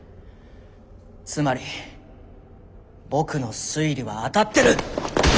つまり僕の推理は当たってる！